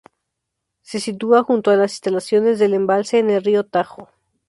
Se sitúa junto a las instalaciones del embalse en el río Tajo.